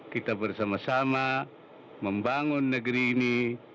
kita bersama sama membangun negeri ini